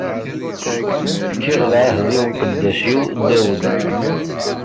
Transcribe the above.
Fkiɣ lɛahed i uqeddac-iw Dawed.